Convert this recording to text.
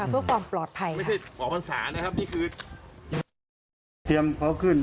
เพื่อความปลอดภัยค่ะ